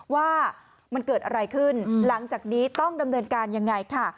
ว่ามันเกิดอะไรขึ้นหลังจากนี้ต้องดำเนินการยังไงค่ะ